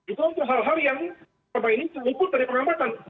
itu untuk hal hal yang selama ini terliput dari pengamatan